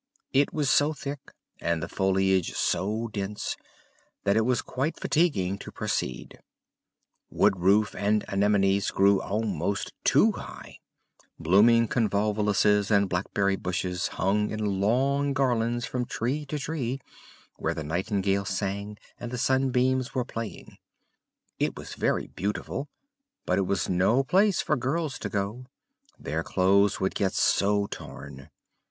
It was so thick, and the foliage so dense, that it was quite fatiguing to proceed. Woodroof and anemonies grew almost too high; blooming convolvuluses and blackberry bushes hung in long garlands from tree to tree, where the nightingale sang and the sunbeams were playing: it was very beautiful, but it was no place for girls to go; their clothes would get so torn.